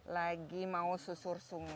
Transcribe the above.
lagi mau susur sungai